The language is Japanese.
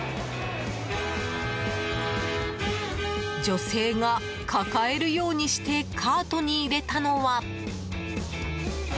女性が抱えるようにしてカートに入れたのは。